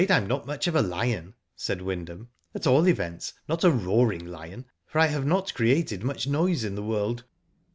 Vm not much of a lion," said Wyndham. At all events, not a roaring lion, for I have not created much noise in the world."